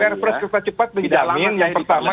perpres kereta cepat menjalankan yang pertama